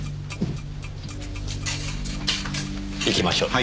行きましょう。